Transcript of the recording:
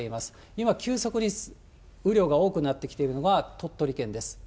今、急速に雨量が多くなってきているのは鳥取県です。